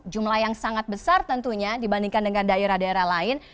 jumlah yang sangat besar tentunya dibandingkan dengan daerah daerah lain